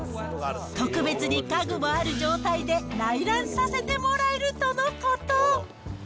特別に家具もある状態で内覧させてもらえるとのこと。